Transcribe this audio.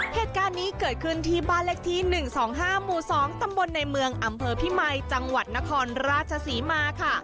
เหตุการณ์นี้เกิดขึ้นที่บ้านเลขที่๑๒๕หมู่๒ตำบลในเมืองอำเภอพิมัยจังหวัดนครราชศรีมาค่ะ